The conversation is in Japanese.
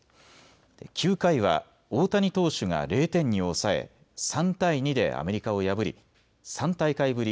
９回は大谷投手が０点に抑え３対２でアメリカを破り３大会ぶり